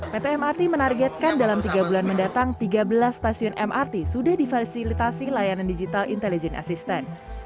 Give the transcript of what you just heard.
pt mrt menargetkan dalam tiga bulan mendatang tiga belas stasiun mrt sudah difasilitasi layanan digital intelligent assistant